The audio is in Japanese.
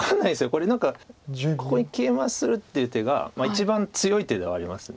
これ何かここにケイマするっていう手が一番強い手ではあります。